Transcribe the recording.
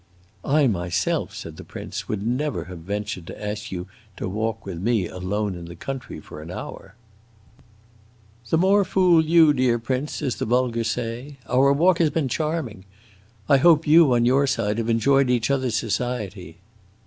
"I myself," said the prince, "would never have ventured to ask you to walk with me alone in the country for an hour!" "The more fool you, dear prince, as the vulgar say! Our walk has been charming. I hope you, on your side, have enjoyed each other's society."